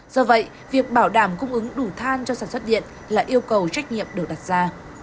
do vậy việc bảo đảm cung ứng đủ than cho sản xuất điện là yêu cầu trách nhiệm được đặt ra